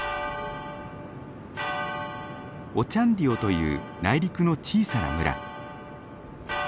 オチャンディオという内陸の小さな村。